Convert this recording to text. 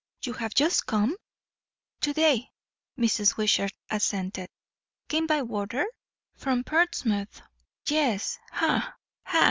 You have just come?" "To day," Mrs. Wishart assented. "Came by water?" "From Portsmouth." "Yes ha, ha!"